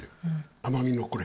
甘みのこれ。